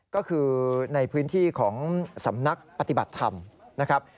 ก็คือในพื้นที่ของสำนักปฏิบัติธรรมนะครับ